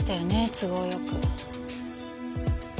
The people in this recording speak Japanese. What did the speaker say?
都合よく。